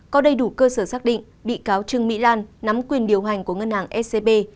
có đầy đủ cơ sở xác định bị cáo trương mỹ lan nắm quyền điều hành của ngân hàng scb